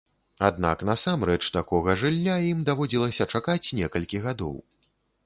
Аднак насамрэч такога жылля ім даводзілася чакаць некалькі гадоў.